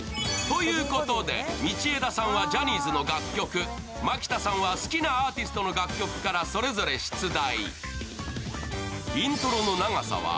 道枝さんはジャニーズの楽曲、蒔田さんは好きなアーティストの楽曲からそれぞれ出題。